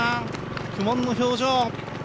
苦もんの表情。